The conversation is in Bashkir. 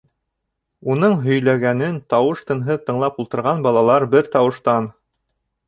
Уның һөйләгәнен тауыш-тынһыҙ тыңлап ултырған балалар бер тауыштан: